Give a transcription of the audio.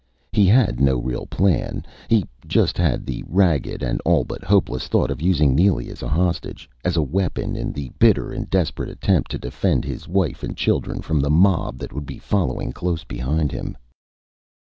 He had no real plan. He just had the ragged and all but hopeless thought of using Neely as a hostage as a weapon in the bitter and desperate attempt to defend his wife and children from the mob that would be following close behind him....